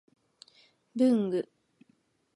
文具